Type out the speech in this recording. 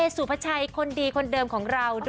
สุภาชัยคนดีคนเดิมของเรา